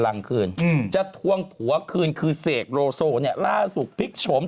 อ้าวชายเขายกกระเป๋าสุขลิต